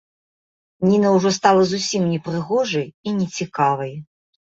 Ніна ўжо стала зусім непрыгожай і нецікавай.